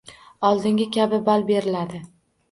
Oldingi kabi ball beriladi